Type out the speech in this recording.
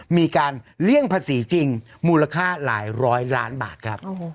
เลี่ยงภาษีจริงมูลค่าหลายร้อยล้านบาทครับ